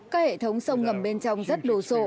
các hệ thống sông ngầm bên trong rất đồ sộ